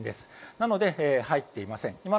なので、入っていません。